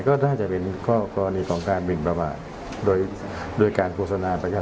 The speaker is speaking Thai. ก็ได้จะเป็นกรณีของการบินประมาทโดยการโภสนาประกาศสัมพันธ์